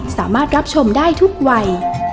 สามารถรับชมได้ทุกวัย